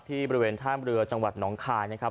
ที่บริเวณท่ามเรือจังหวัดหนองคายนะครับ